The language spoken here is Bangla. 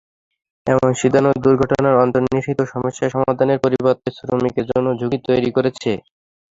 এমন সিদ্ধান্ত দুর্ঘটনার অন্তর্নিহিত সমস্যা সমাধানের পরিবর্তে শ্রমিকদের জন্য ঝুঁকি তৈরি করেছে।